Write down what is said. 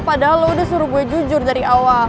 padahal lo udah suruh gue jujur dari awal